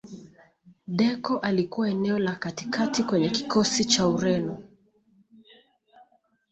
deco alikuwa eneo la katikati kwenye kikosi cha ureno